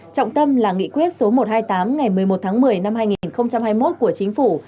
trọng tâm là nghị quyết số một trăm hai mươi tám ngày một mươi một tháng một mươi năm hai nghìn hai mươi một của chính phủ